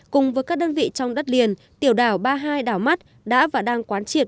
cùng với các đơn vị trong đất liền tiểu đảo ba mươi hai đảo mắt đã và đang quán triệt